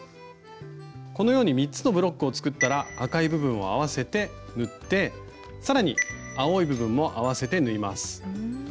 このように３つのブロックを作ったら赤い部分を合わせて縫って更に青い部分も合わせて縫います。